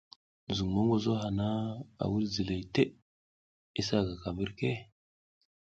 Zuŋ mongoso hana, a wuɗ ziley teʼe, i sa gaka mbirke.